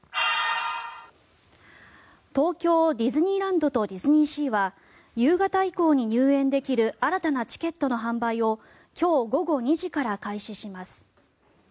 東京ディズニーランドとディズニーシーは夕方以降に入園できる新たなチケットの販売を今日午後２時から開始します。